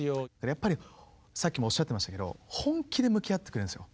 やっぱりさっきもおっしゃってましたけど本気で向き合ってくれるんですよ。